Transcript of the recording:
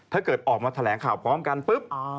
ถ้าเกิดออกมาแถลงข่าวพร้อมกันปุ๊บ